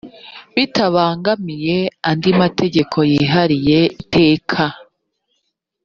bitabangamiye andi mategeko yihariye iteka